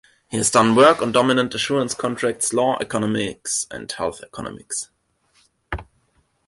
He has done work on dominant assurance contracts, law and economics and health economics.